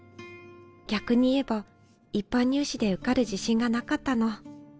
逆に言えば一般入試で受かる自信がなかったの。